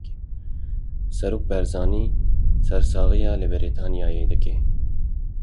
Serok Barzanî sersaxiyê li Brîtanyayê dike.